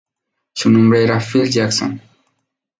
Su nombre era Phil Jackson.